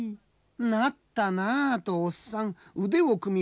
なったなとおっさん腕を組み